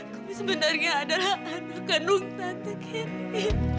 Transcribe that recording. kamu sebenarnya adalah anak gandung tante candy